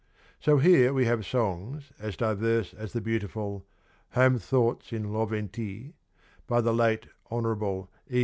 So here we have songs as diverse as the beautiful ' Home Thoughts in Laventie,' by the late Hon. E.